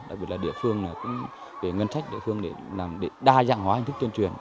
đặc biệt là địa phương để ngân sách địa phương để đa dạng hóa hình thức tuyên truyền